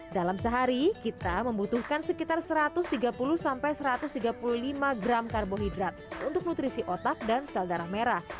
dalam sehari kita membutuhkan sekitar satu ratus tiga puluh satu ratus tiga puluh lima gram karbohidrat untuk nutrisi otak dan sel darah merah